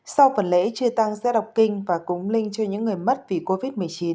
sau phần lễ chia tăng gia đọc kinh và cúng linh cho những người mất vì covid một mươi chín